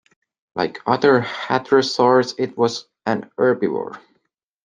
Like other hadrosaurs, it was an herbivore.